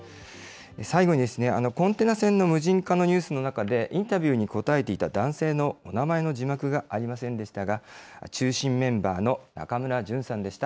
最後にですね、コンテナ船の無人化のニュースの中で、インタビューに応えていた男性のお名前の字幕がありませんでしたが、中心メンバーの中村純さんでした。